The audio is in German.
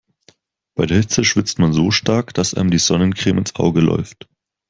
Bei der Hitze schwitzt man so stark, dass einem die Sonnencreme ins Auge läuft.